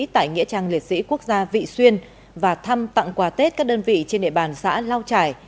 tại nghĩa trang liệt sĩ quốc gia vị xuyên và thăm tặng quà tết các đơn vị trên địa bàn xã lao trải